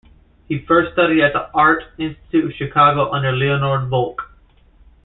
He first studied at the Art Institute of Chicago under Leonard Volk.